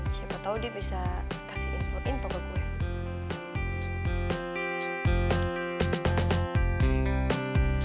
siapa tahu dia bisa kasih info info ke gue